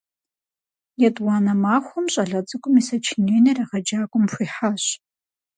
Етӏуанэ махуэм щӏалэ цӏыкӏум и сочиненэр егъэджакӏуэм хуихьащ.